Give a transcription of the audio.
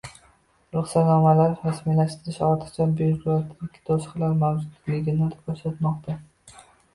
ruxsatnomalarni rasmiylashtirishda ortiqcha byurokratik to‘siqlar mavjudligini ko‘rsatmoqda.